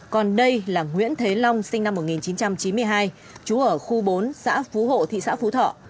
còn đây là nguyễn thế long sinh năm một nghìn chín trăm chín mươi hai trú ở khu bốn xã phú hộ thị xã phú thọ